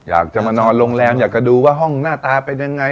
อยากจะมานอนโรงแรมอยากจะดูว่าห้องหน้าตาเป็นยังไง